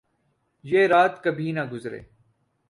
یہ رات کبھی نہ گزرے